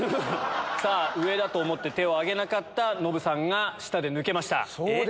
さぁ上だと思って手を挙げなかったノブさんが下で抜けました。